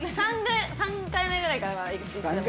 ３回目ぐらいからはいつでも。